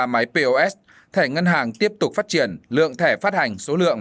hai trăm bốn mươi ba một trăm hai mươi ba máy pos thẻ ngân hàng tiếp tục phát triển lượng thẻ phát hành số lượng